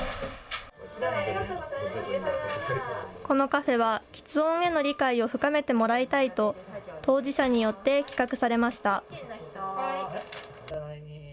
このカフェは、きつ音への理解を深めてもらいたいと当事者によって企画されました。